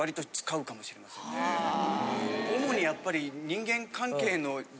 主にやっぱり。